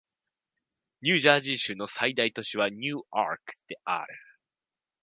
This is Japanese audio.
ニュージャージー州の最大都市はニューアークである